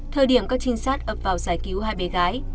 thời điểm các trinh sát ập vào giải cứu hai bé gái